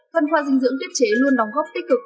phân khoa dinh dưỡng tiết chế luôn đóng góp tích cực